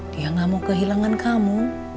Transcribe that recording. dia gak mau kehilangan kamu